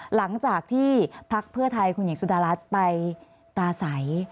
หลังจากที่พักเพื่อไทยคุณหญิงสุดารัฐไปปราศัย